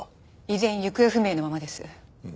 依然行方不明のままです。